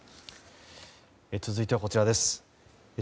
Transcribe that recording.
続いてはこちらです。